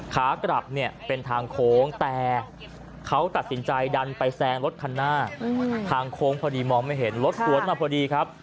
ขากลับเนี่ยเป็นทางโค้งแต่เขาตัดสินใจดันไปแซงรถคันหน้าทางโค้งพอดีมองไม่เห็นรถสวนมาพอดีครับ